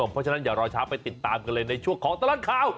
เพราะฉะนั้นอย่ารอช้าไปติดตามกันเลยในช่วงของตลอดข่าว